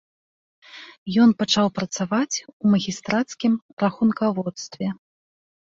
Ён пачаў працаваць у магістрацкім рахункаводстве.